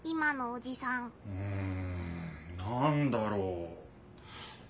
うんなんだろう？